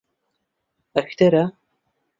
ئەکتەرە.